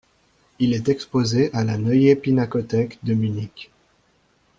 Il est exposé à la Neue Pinakothek de Munich.